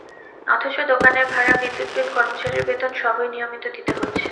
অথচ দোকানের ভাড়া, বিদ্যুৎ বিল, কর্মচারীর বেতন সবই নিয়মিত দিতে হচ্ছে।